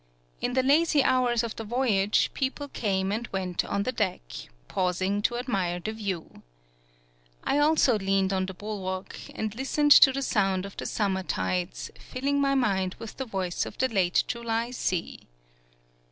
In the lazy hours of the voyage, people came and went on the deck, pausing to admire the view. I also leaned on the bulwark and listened to the sounds of the summer tides, filling my mind with the voice of the late July sea.